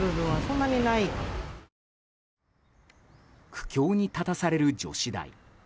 苦境に立たされる女子大。